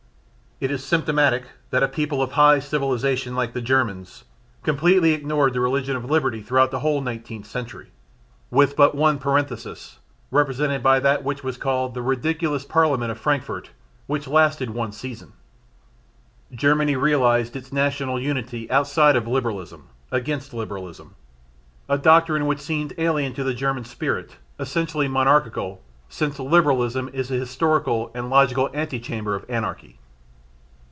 It is symptomatic that a people of high civilisation like the Germans completely ignored the religion of liberty throughout the whole Nineteenth Century with but one parenthesis, represented by that which was called "the ridiculous parliament of Frankfurt" which lasted one season. Germany realised its national unity outside of Liberalism, against Liberalism a doctrine which seemed alien to the German spirit essentially monarchical, since Liberalism is the historical and logical ante chamber of anarchy.